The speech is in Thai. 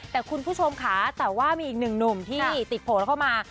แต่คุณผู้ชมค่ะแต่ว่ามีอีกหนึ่งหนุ่มที่ติดโผล่เข้ามา